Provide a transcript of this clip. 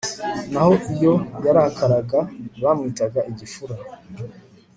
naho iyo yarakaraga bakamwita igifura